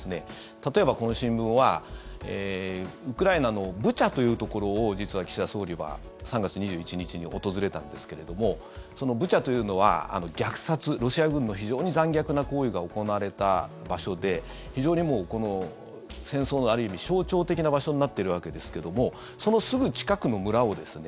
例えば、この新聞はウクライナのブチャというところを実は、岸田総理は３月２１日に訪れたんですけれどもそのブチャというのは、虐殺ロシア軍の非常に残虐な行為が行われた場所で非常に戦争のある意味、象徴的な場所になってるわけですけどもそのすぐ近くの村をですね